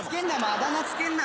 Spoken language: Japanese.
あだ名付けんな！